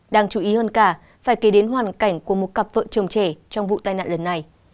đáng chú ý hơn cả phải kể đến hoàn cảnh của một cặp vợ chồng trẻ trong vụ tai nạn lần này